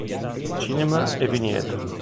Cinema e Vigneto.